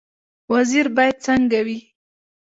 وزیر باید څنګه وي؟